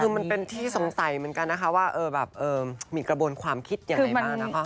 คือมันเป็นที่สงสัยเหมือนกันนะคะว่ามีกระบวนความคิดอย่างไรมาก